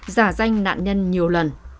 giả danh nạn nhân nhiều lần